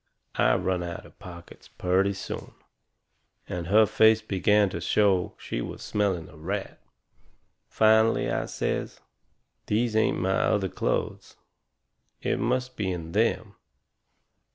I run out of pockets purty soon. And her face begun to show she was smelling a rat. Finally I says: "These ain't my other clothes it must be in them."